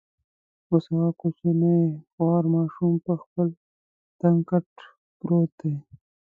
اوس هغه کوچنی خوار ماشوم پر خپل تنګ کټ پروت دی.